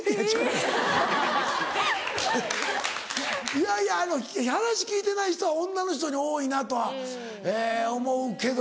いやいや話聞いてない人女の人に多いなとは思うけどもな。